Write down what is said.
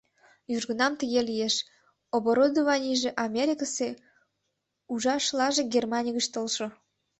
Южгунам тыгат лиеш: оборудованийже Америкысе, ужашлаже Германий гыч толшо.